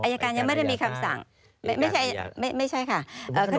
อัยการยังไม่ได้มีคำสั่ง